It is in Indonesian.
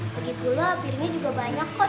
begitulah piringnya juga banyak kok